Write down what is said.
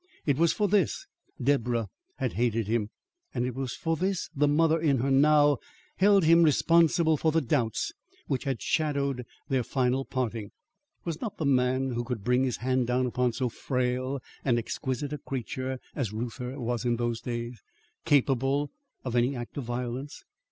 It was for this Deborah had hated him; and it was for this the mother in her now held him responsible for the doubts which had shadowed their final parting. Was not the man, who could bring his hand down upon so frail and exquisite a creature as Reuther was in those days, capable of any act of violence?